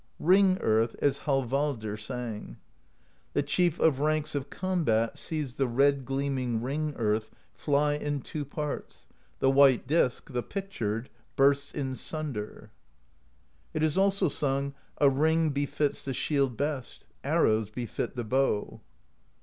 Ring Earth, as Hallvardr sang: The Chief of ranks of Combat Sees the red gleaming Ring Earth Fly in two parts; the white disk, The pictured, bursts in sunder. It is also sung: A ring befits the shield best; Arrows befit the bow.